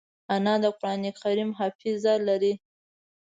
انا د قرانکریم حافظه لري